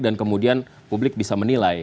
dan kemudian publik bisa menilai